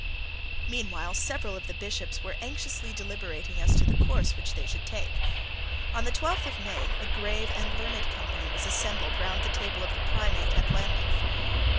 Meanwhile several of the Bishops were anxiously deliberating as to the course which they should take. On the twelfth of May a grave and learned company was assembled round the table of the Primate at Lambeth.